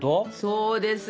そうですよ。